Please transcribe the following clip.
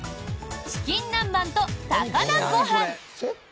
チキン南蛮と高菜ごはん。